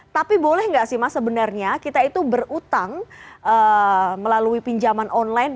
tapi boleh nggak sih mas sebenarnya kita itu berutang melalui pinjaman online